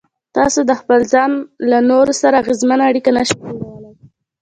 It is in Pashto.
تاسې د خپل ځان له نورو سره اغېزمنه اړيکه نشئ جوړولای.